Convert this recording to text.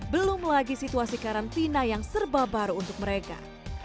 belum lagi situasi karantina yang serba baru untuk mereka